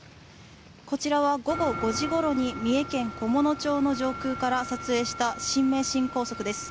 こちらは午後５時ごろに三重県菰野町の上空から撮影した新名神高速です。